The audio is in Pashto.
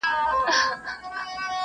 څپلۍ د اوسپني په پښو کړو پېشوا ولټوو٫